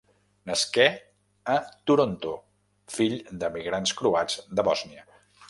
Nasqué a Toronto, fill d'emigrants croats de Bòsnia.